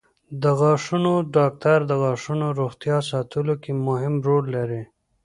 د غاښونو ډاکټران د غاښونو روغتیا ساتلو کې مهم رول لري.